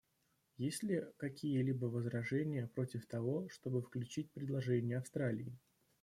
Есть ли какие-либо возражения против того, чтобы включить предложение Австралии?